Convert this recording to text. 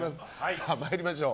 さあ参りましょう。